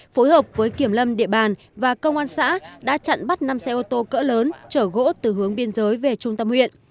phối hợp với kiểm lâm địa bàn và công an xã đã chặn bắt năm xe ô tô cỡ lớn chở gỗ từ hướng biên giới về trung tâm huyện